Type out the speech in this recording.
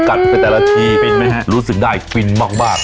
กัดไปแต่ละทีเป็นไหมฮะรู้สึกได้ฟินมาก